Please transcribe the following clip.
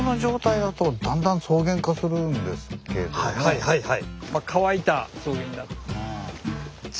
はいはいはい。